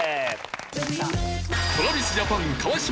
ＴｒａｖｉｓＪａｐａｎ川島